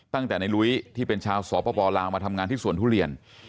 ตั้งแต่ในลุ้ยที่เป็นชาวสปลาวมาทำงานที่สวนทุเรียน